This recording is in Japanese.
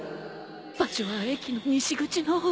場所は駅の西口の。